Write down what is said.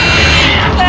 terima kasih charlie